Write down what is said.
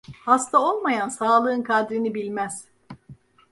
Hasta olmayan, sağlığın kadrini bilmez.